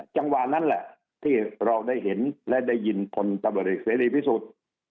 จังหวะนั้นแหละที่เราได้เห็นและได้ยินคนตำรวจเอกเสรีพิสุทธิ์